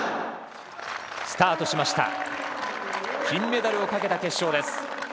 金メダルをかけた決勝です。